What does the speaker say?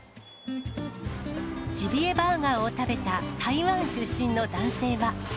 ジビエバーガーを食べた台湾出身の男性は。